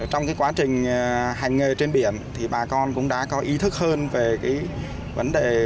trong quá trình hành nghề trên biển thì bà con cũng đã có ý thức hơn về vấn đề